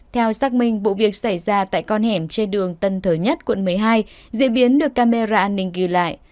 theo xác minh vụ việc xảy ra tại con hẻm trên đường tân thời nhất quận một mươi hai diễn biến được camera an ninh ghi lại